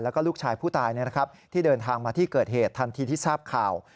แล้วก็ลูกชายผู้ตายที่เดินทางมาที่เกิดเหตุทันทีที่ทราบข่าว